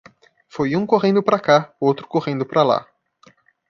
Foi um correndo pra cá, outro correndo pra lá.